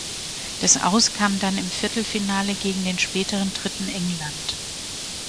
Das Aus kam dann im Viertelfinale gegen den späteren Dritten England.